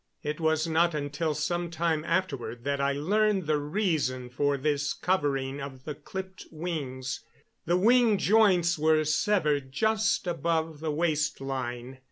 It was not until some time afterward that I learned the reason for this covering of the clipped wings. The wing joints were severed just above the waist line.